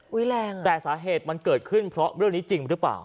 แรงแต่สาเหตุมันเกิดขึ้นเพราะเรื่องนี้จริงหรือเปล่า